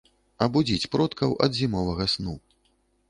Абудзіць продкаў ад зімовага сну.